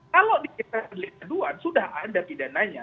kalau dikatakan delik aduan sudah ada pidananya